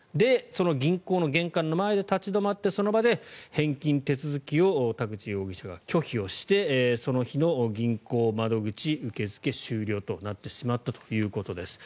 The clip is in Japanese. その銀行の玄関の前で立ち止まってその場で返金手続きを田口容疑者が拒否をしてその日の銀行窓口受付終了となってしまったということです。